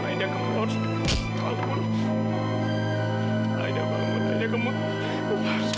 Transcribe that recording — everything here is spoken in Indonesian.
ini lukanya sudah komplikasi